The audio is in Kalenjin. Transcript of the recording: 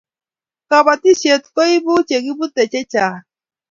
kabatishiet koibu chekibute chechang